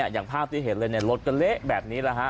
อย่างภาพที่เห็นเลยรถก็เละแบบนี้แหละฮะ